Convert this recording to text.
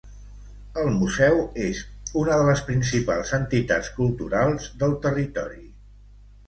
El Museu és una de les principals entitats culturals del territori